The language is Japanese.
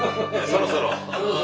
・そろそろ。